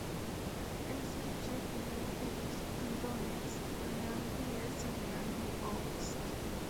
Es el "chef-lieu" de dos cantones: L'Aigle-Est y L'Aigle-Ouest.